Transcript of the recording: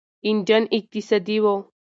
انجن اقتصادي و.